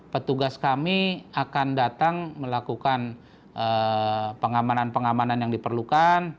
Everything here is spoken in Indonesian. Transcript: petugas kami akan datang melakukan pengamanan pengamanan yang diperlukan